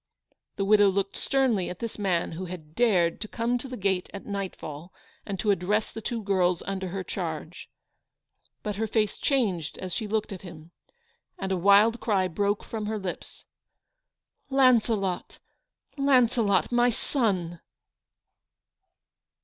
The widow looked sternly at this man who had dared to come to the gate at nightfall and to address the two girls under her charge. But her face changed as she looked at him, and a wild cry broke from her lips. "Launcelot, Launcelot, my son